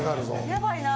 やばいな。